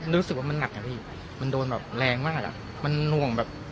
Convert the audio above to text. รู้สึกว่ามันหนักอะพี่มันโดนแบบแรงมากอ่ะมันหน่วงแบบ